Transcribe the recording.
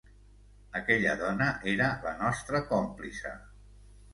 Aquella dona era la nostra còmplice.